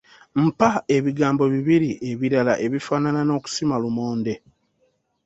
Mpa ebigambo bibiri ebirala ebifaanana n'okusima lumonde?